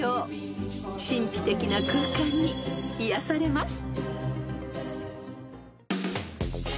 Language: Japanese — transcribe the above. ［神秘的な空間に癒やされます］